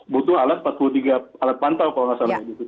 butuh alat empat puluh tiga alat pantau kalau nggak salah